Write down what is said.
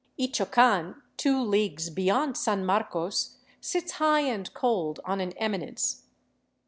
Ichocan, two leagues beyond San Marcos, sits high and cold on an eminence.